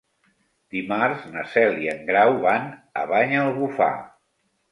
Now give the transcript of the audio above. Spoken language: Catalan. Dimarts na Cel i en Grau van a Banyalbufar.